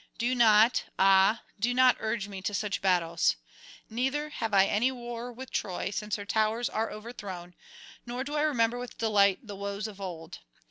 Do not, ah, do not urge me to such battles. Neither have I any war with Troy since her towers are overthrown, nor do I remember with delight the woes of old.